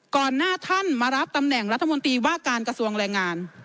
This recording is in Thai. ก่อนหน้าท่านมารับตำแหน่งรัฐมนตรีว่าการกระทรวงแรงงาน